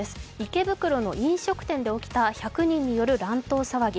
池袋の飲食店で起きた１００人による乱闘騒ぎ。